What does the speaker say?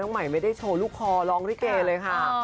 ใหม่ไม่ได้โชว์ลูกคอร้องลิเกเลยค่ะ